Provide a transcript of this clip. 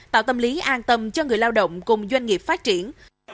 tạo tâm lý an tâm cho người lao động cùng doanh nghiệp phát triển